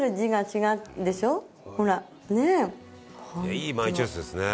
「いいマイチョイスですね」